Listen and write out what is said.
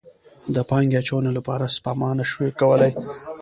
د پانګې اچونې لپاره سپما نه شي کولی.